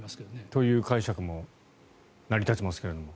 という解釈も成り立ちますけども。